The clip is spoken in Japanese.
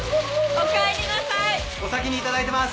お先にいただいてます。